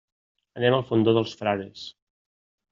Anem al Fondó dels Frares.